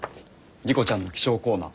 莉子ちゃんの気象コーナー